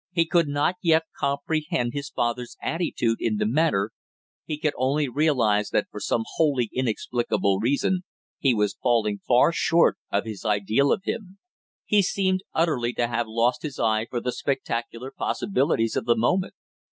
He could not yet comprehend his father's attitude in the matter, he could only realize that for some wholly inexplicable reason he was falling far short of his ideal of him; he seemed utterly to have lost his eye for the spectacular possibilities of the moment.